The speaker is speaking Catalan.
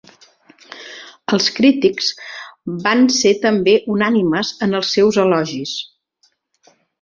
Els crítics van ser també unànimes en els seus elogis.